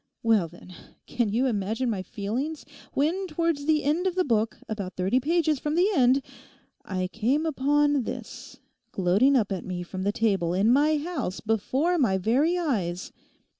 Well, then, can you imagine my feelings when towards the end of the book about thirty pages from the end, I came upon this—gloating up at me from the table in my house before my very eyes?